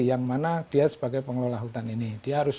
yang mana dia sebagai pengelola hutan ini